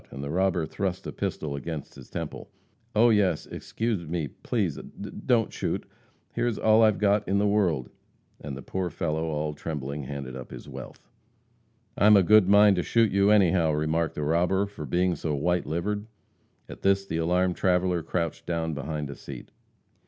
And the robber thrust a pistol against his temple. "Oh, yes! Excuse m m me, p p p please, d don't shoot. Here's a all I've g got in t t the world." And the poor fellow, all tremblingly, handed up his wealth. "I'm a good mind to shoot you, anyhow," remarked the robber, "for being so white livered." At this the alarmed traveller crouched down behind a seat.